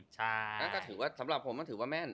แล้วก็สำหรับผมว่าถือว่าแม่น